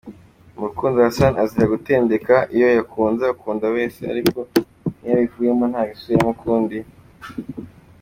Mu rukundo Hassan azira gutendeka, iyo yakunze akunda wese ariko niyo abivuyemo ntabisubiramo ukundi.